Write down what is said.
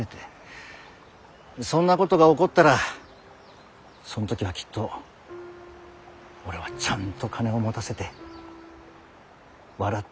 そんなことが起こったらその時はきっと俺はちゃんと金を持たせて笑って送り出してやりてえ。